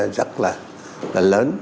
rất là lớn